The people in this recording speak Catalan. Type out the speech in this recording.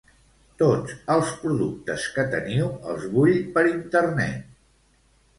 Tots els productes que teniu els vull per internet.